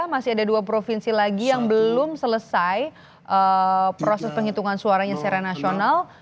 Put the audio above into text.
masih ada dua provinsi lagi yang belum selesai proses penghitungan suaranya secara nasional